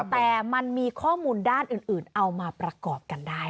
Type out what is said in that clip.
แต่มันมีข้อมูลด้านอื่นเอามาประกอบกันได้